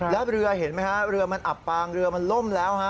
แล้วเรือเห็นไหมฮะเรือมันอับปางเรือมันล่มแล้วฮะ